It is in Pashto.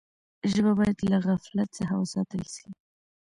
ژبه باید له غفلت څخه وساتل سي.